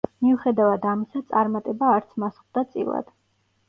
მიუხედავად ამისა წარმატება არც მას ხვდა წილად.